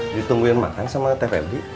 ditungguin makan sama tepedi